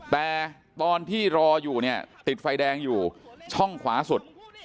แต่ตอนที่รออยู่เนี่ยติดไฟแดงอยู่ช่องขวาสุด